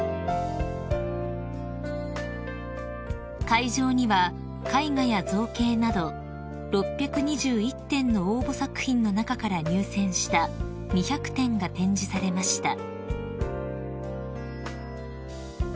［会場には絵画や造形など６２１点の応募作品の中から入選した２００点が展示されました］